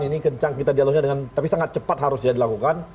ini kencang kita dialognya dengan tapi sangat cepat harusnya dilakukan